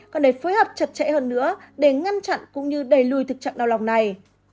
còn để phối hợp chặt chẽ hơn nữa để ngăn chặn cũng như đẩy lùi thực trạng đau lòng này